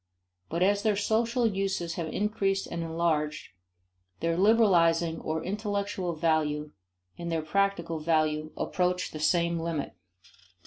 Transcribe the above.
But as their social uses have increased and enlarged, their liberalizing or "intellectual" value and their practical value approach the same limit.